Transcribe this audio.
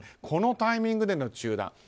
このタイミングでの中断。